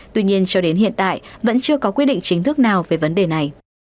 tuy nhiên cho đến hiện tại vẫn chưa có quy định chính thức nào về vấn đề này